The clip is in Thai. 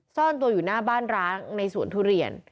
ซ่อนตัวอยู่หน้าบ้านร้างในสวนทุเรียน